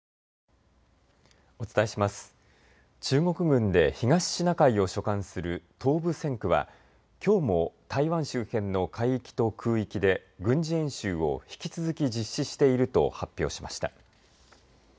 中国軍で東シナ海を所管する東部戦区はきょうも台湾周辺の海域と空域で軍事演習を引き続き実施していると発表しました。